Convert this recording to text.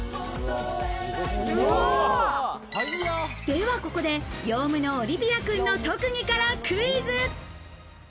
ではここでヨウムのオリビア君の特技からクイズ。